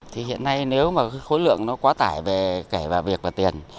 thì hiện nay nếu mà khối lượng nó quá tải về kẻ và việc và tiền